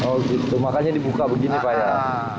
oh gitu makanya dibuka begini pak ya